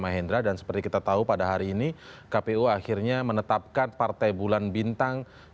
kepada pimpinan partai bulan bintang